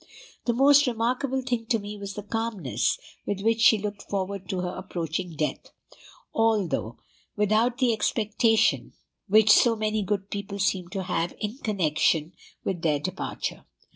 The most remarkable thing to me was the calmness with which she looked forward to her approaching death, although without the expectation which so many good people seem to have in connection with their departure.